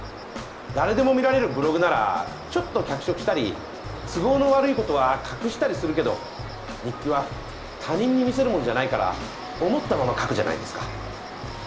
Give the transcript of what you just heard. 誰でも見られるブログならちょっと脚色したり都合の悪いことは隠したりするけど日記は他人に見せるものじゃないから思ったまま書くじゃないですか。